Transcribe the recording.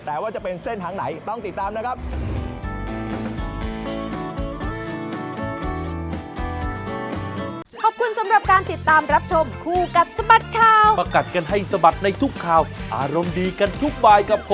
แต่ว่าจะเป็นเส้นทางไหนต้องติดตามนะครับ